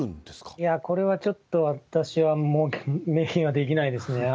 いや、これはちょっと私は明言はできないですね。